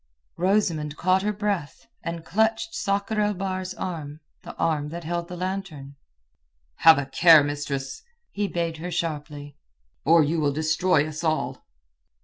Rosamund caught her breath, and clutched Sakr el Bahr's arm, the arm that held the lantern. "Have a care, mistress," he bade her sharply, "or you will destroy us all."